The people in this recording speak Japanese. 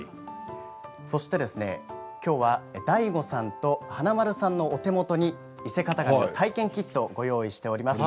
そして、きょうはＤＡＩＧＯさんと華丸さんのお手元に伊勢型紙体験キットをご用意しております。